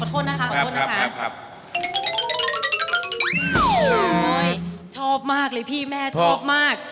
โอ้ยชอบมากเลยพี่แม่ชอบมาก